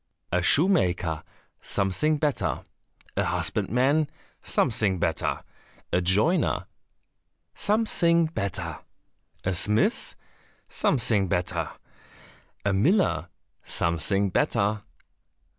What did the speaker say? "A shoemaker?" "Something better." "A husbandman?" "Something better." "A joiner?" "Something better." "A smith?" "Something better." "A miller?" "Something better."